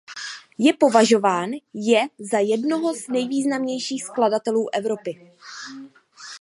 Je považován je za jednoho z nejvýznamnějších skladatelů Evropy.